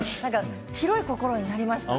広い心になりました。